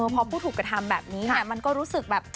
พอผู้ถูกกระทำแบบนี้เนี่ยมันก็รู้สึกแบบ